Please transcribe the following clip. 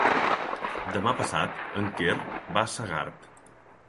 Demà passat en Quer va a Segart.